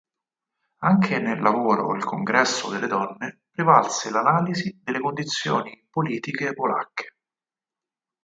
Anche nel lavoro "Il Congresso delle donne" prevalse l'analisi delle condizioni politiche polacche.